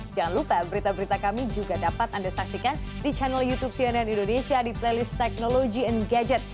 jangan lupa berita berita kami juga dapat anda saksikan di channel youtube cnn indonesia di playlist technology and gadget